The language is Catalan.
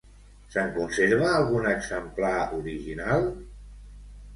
Se'n conserva algun exemplar original?